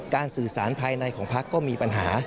สื่อสารภายในของพักก็มีปัญหา